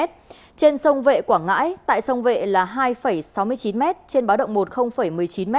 trên sông vệ quảng ngãi tại sông vệ là hai sáu mươi chín m trên báo động một một mươi chín m